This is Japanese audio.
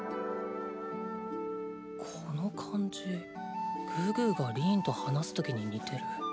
この感じグーグーがリーンと話す時に似てる。